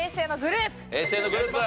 平成のグループ。